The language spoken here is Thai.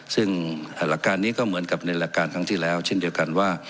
ซึ่งหลักการนี้ก็เหมือนกับในหลักการครั้งที่แล้วเช่นเดียวกันว่า